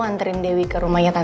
akan kamu memaulai